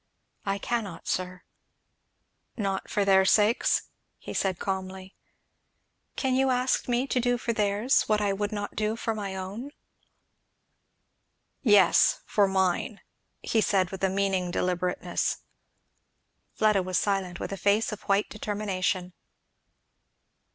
"I cannot, sir." "Not for their sakes?" he said calmly. "Can you ask me to do for theirs what I would not for my own?" "Yes for mine," he said, with a meaning deliberateness. Fleda was silent, with a face of white determination.